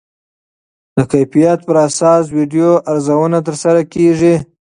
د کیفیت پر اساس ویډیو ارزونه ترسره کېږي.